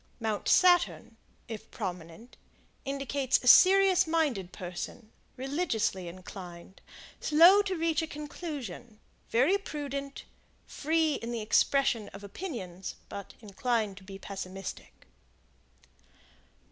Mount Saturn, if prominent, indicates a serious minded person, religiously inclined, slow to reach a conclusion, very prudent, free in the expression of opinions, but inclined to be pessimistic.